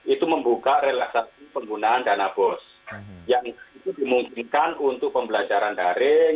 itu membuka relaksasi penggunaan dana bos yang itu dimungkinkan untuk pembelajaran daring